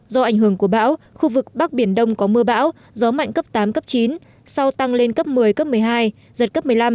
do ảnh hưởng của bão khu vực bắc biển đông có mưa bão gió mạnh cấp tám cấp chín sau tăng lên cấp một mươi cấp một mươi hai giật cấp một mươi năm